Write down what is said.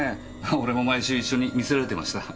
俺も毎週一緒に見せられてました。